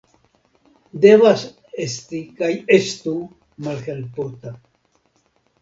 Devas esti kaj estu malhelpota.